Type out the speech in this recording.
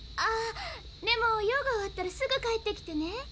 でも用が終わったらすぐ帰ってきてね。